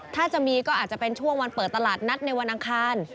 ถ้าจะมีก็อาจจะเป็นช่วงวันเปิดตลาดนัดในวันอังคาร